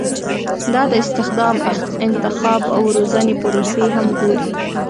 دا د استخدام، انتخاب او روزنې پروسې هم ګوري.